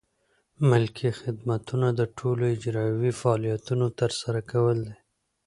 ملکي خدمتونه د ټولو اجرایوي فعالیتونو ترسره کول دي.